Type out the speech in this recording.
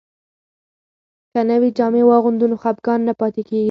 که نوې جامې واغوندو نو خپګان نه پاتې کیږي.